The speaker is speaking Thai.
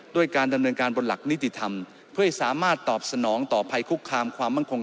ด้วยการดำเนินการบนหลักนิติธรรมเพื่อให้สามารถตอบสนองต่อภัยคุกคามความมั่นคง